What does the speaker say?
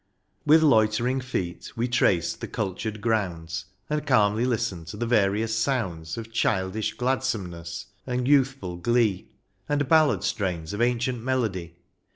With loitering feet we traced the cultured grounds, And calmly listened to the various sounds Of childish gladsomeness and youthful glee, And ballad strains of ancient melody.